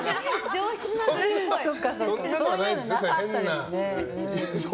そんなのはないんですね。